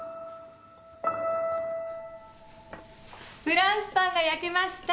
フランスパンが焼けました。